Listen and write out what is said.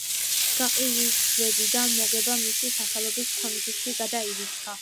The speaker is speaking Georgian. გაყიდვებიდან მოგება მისი სახელობის ფონდში გადაირიცხა.